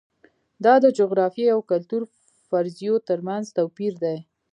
دا د جغرافیې او کلتور فرضیو ترمنځ توپیر دی.